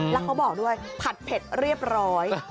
แล้วเขาบอกด้วยผัดเผ็ดเรียบร้อย